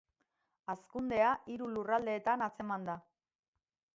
Hazkundea hiru lurraldeetan atzeman da.